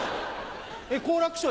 好楽師匠